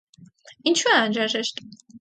Ինչու՞ է անհրաժեշտ։